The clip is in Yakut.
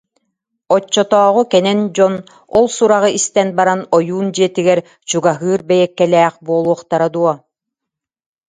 Оччотооҕу кэнэн дьон ол сураҕы истэн баран, ойуун дьиэтигэр чугаһыыр бэйэккэлээх буолуохтара дуо